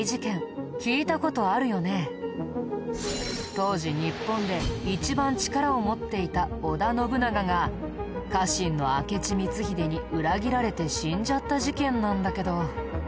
当時日本で一番力を持っていた織田信長が家臣の明智光秀に裏切られて死んじゃった事件なんだけど。